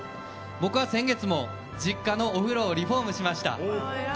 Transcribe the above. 僕は先月も実家のお風呂をリフォームしました。